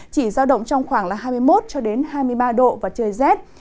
chỉ giao động trong khoảng là hai mươi một hai mươi ba độ và trời rét